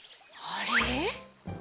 あれ？